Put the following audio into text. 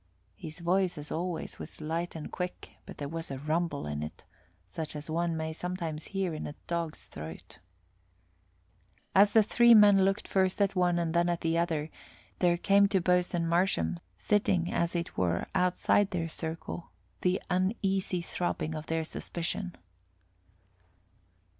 His voice, as always, was light and quick, but there was a rumble in it, such as one may sometimes hear in a dog's throat. As the three men looked first at one and then at another, there came to Boatswain Marsham, sitting as it were outside their circle, the uneasy throbbing of their suspicion.